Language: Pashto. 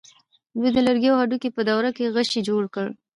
دوی د لرګي او هډوکي په دوره کې غشی جوړ کړ.